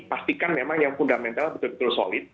pastikan memang yang fundamental betul betul solid